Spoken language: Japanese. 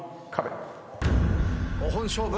５本勝負。